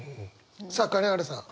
さあ金原さん。